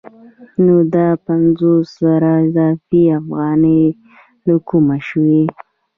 نو دا پنځوس زره اضافي افغانۍ له کومه شوې